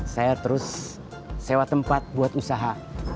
saya terus sewa tempat buat usaha